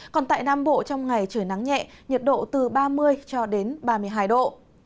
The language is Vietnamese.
còn tại nam bộ trong ngày trời nắng nhẹ nhiệt độ từ ba mươi cho đến ba mươi hai độ